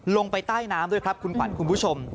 ลงไปใต้น้ำด้วยครับคุณขวัญคุณผู้ชม